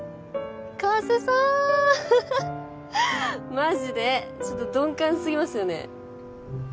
マジでちょっと鈍感すぎますよね